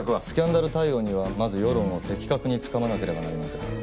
スキャンダル対応にはまず世論を的確につかまなければなりません。